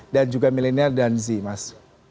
dan juga milenial dan z mas